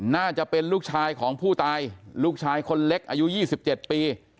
น่าจะเป็นลูกชายของผู้ตายลูกชายคนเล็กอายุ๒๗ปี